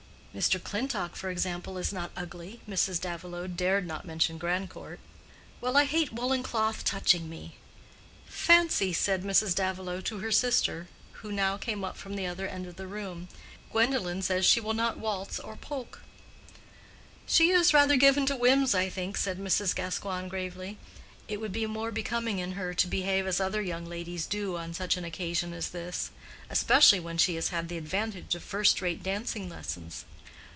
"Mr. Clintock, for example, is not ugly." Mrs. Davilow dared not mention Grandcourt. "Well, I hate woolen cloth touching me." "Fancy!" said Mrs. Davilow to her sister who now came up from the other end of the room. "Gwendolen says she will not waltz or polk." "She is rather given to whims, I think," said Mrs. Gascoigne, gravely. "It would be more becoming in her to behave as other young ladies do on such an occasion as this; especially when she has had the advantage of first rate dancing lessons."